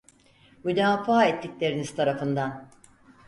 Müdafaa ettikleriniz tarafından!